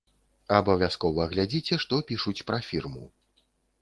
Абавязкова глядзіце, што пішуць пра фірму.